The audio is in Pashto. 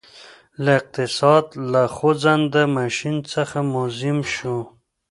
له اقتصاد له خوځنده ماشین څخه موزیم شو